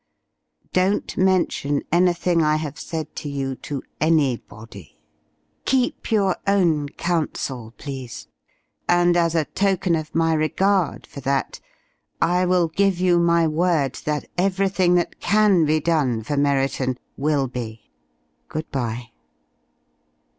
Don't mention anything I have said to you to anybody. Keep you own counsel, please, and as a token of my regard for that I will give you my word that everything that can be done for Merriton will be. Good bye."